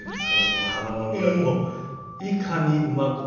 その花の匂いをいかにうまく。